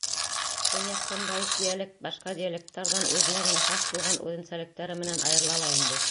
Төньяҡ-көнбайыш диалект башҡа диалекттарҙан үҙенә генә хас булған үҙенсәлектәре менән айырыла ла инде.